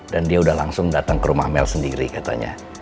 dan dia udah langsung datang ke rumah mel sendiri katanya